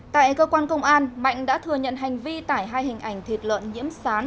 tại cơ quan công an mạnh đã thừa nhận hành vi tải hai hình ảnh thịt lợn nhiễm sán